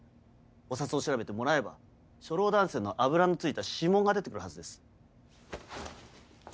お札を調べてもらえば初老男性の脂の付いた指紋が出て来るはずです。